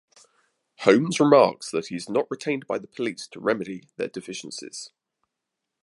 Holmes remarks that he is not retained by the police to remedy their deficiencies.